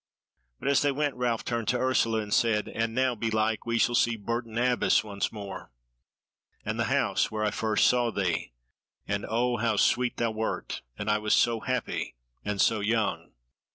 But as they went, Ralph turned to Ursula and said: "And now belike shall we see Bourton Abbas once more, and the house where first I saw thee. And O how sweet thou wert! And I was so happy and so young."